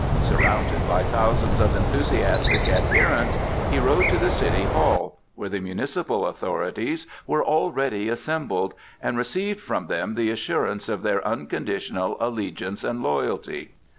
Surrounded by thousands of enthusiastic adherents, he rode to the City Hall, where the municipal authorities were already assembled, and received from them the assurance of their unconditional allegiance and loyalty.